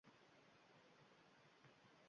Mikoyil o`z uyiga shoshilardi